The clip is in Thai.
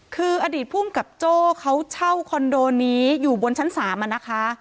คืออดีตภูมิกับโจ้เขาเช่าคอนโดนี้อยู่บนชั้น๓นะคะ